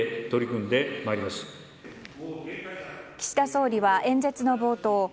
岸田総理は演説の冒頭